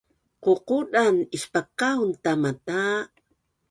ququdan ispakaun tama ta